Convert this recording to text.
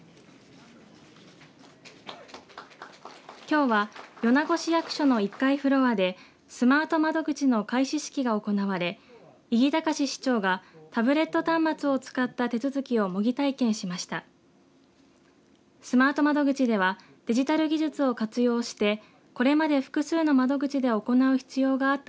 きょうは米子市役所の１階フロアでスマート窓口の開始式が行われ伊木隆司市長がタブレット端末を使った手続きを模擬体験しました。